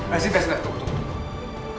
rezi rezi tunggu tunggu